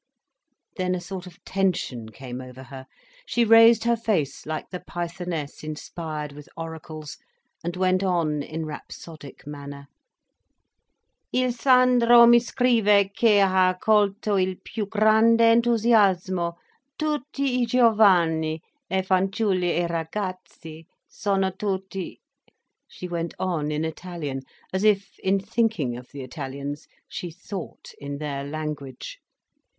Then a sort of tension came over her, she raised her face like the pythoness inspired with oracles, and went on, in rhapsodic manner: "Il Sandro mi scrive che ha accolto il più grande entusiasmo, tutti i giovani, e fanciulle e ragazzi, sono tutti—" She went on in Italian, as if, in thinking of the Italians she thought in their language.